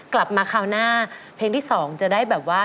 กลับมาคราวหน้าเพลงที่๒จะได้แบบว่า